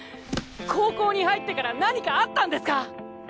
高校に入ってから何かあったんですか！？